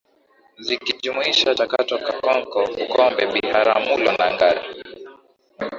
Zikijumuisha Chato Kakonko Bukombe Biharamulo na Ngara